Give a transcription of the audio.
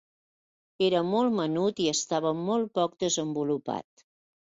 Era molt menut i estava molt poc desenvolupat.